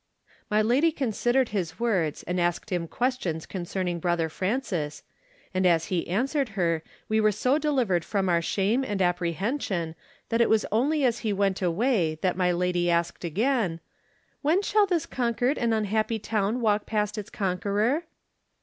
My lady considered his words and asked him questions concerning Brother Francis, Digitized by Google THE NINTH MAN and as he answered her we were so delivered from our shame and apprehension that it was only as he went away that my lady asked again, "When shall this conquered and unhappy town walk past its conqueror?"